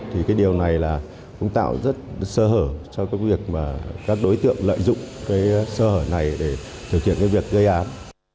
thì cái điều này là cũng tạo rất sơ hở cho các đối tượng lợi dụng cái sơ hở này để điều kiện cái việc gây án